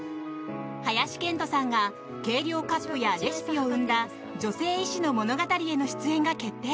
林遣都さんが計量カップやレシピを生んだ女性医師の物語への出演が決定。